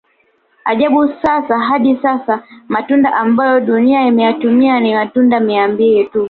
Ajabu sasa hadi sasa matunda ambayo dunia imeyatumia ni matunda mia mbili tu